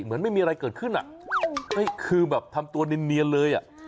เหมือนไม่มีอะไรเกิดขึ้นอ่ะเฮ้ยคือแบบทำตัวเนียนเลยอ่ะ